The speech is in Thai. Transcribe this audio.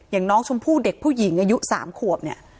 อย่างน้องชมพู่เด็กผู้หญิงอายุ๓ขวบเนี่ย